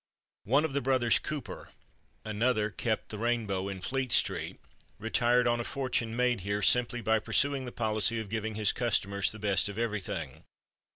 One of the brothers Cooper another kept the Rainbow in Fleet Street retired on a fortune made here, simply by pursuing the policy of giving his customers the best of everything.